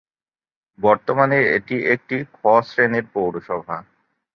বর্তমানে এটি একটি "খ" শ্রেণীর পৌরসভা।